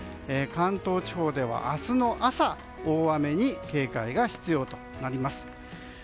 関東地方では明日の朝大雨に警戒が必要となります。